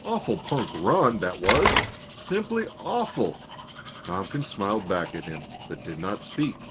"Awful punk run that was simply awful!" Tompkins smiled back at him, but did not speak.